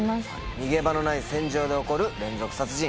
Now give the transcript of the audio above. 逃げ場のない船上で起こる連続殺人。